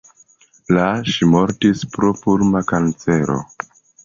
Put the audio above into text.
La ŝi mortis pro pulma kancero.